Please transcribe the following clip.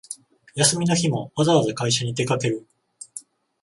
休みの日もわざわざ会社に出かける